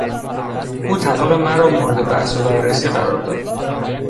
او طلاق مرا مورد بحث و بررسی قرار داد.